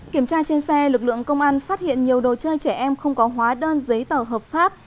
kiểm tra trên xe lực lượng công an phát hiện nhiều đồ chơi trẻ em không có hóa đơn giấy tờ hợp pháp